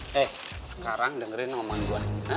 hei sekarang dengerin omongan gue